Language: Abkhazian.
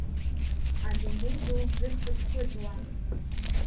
Адунеи ду зырхыџхыџуа…